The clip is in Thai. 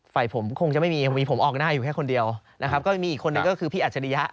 ฝ่ายผมคงจะไม่มีผมออกหน้าอยู่แค่คนเดียวนะครับก็มีอีกคนนึงก็คือพี่อัจฉริยะ